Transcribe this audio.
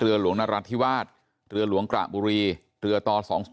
หลวงนรัฐธิวาสเรือหลวงกระบุรีเรือต่อ๒๐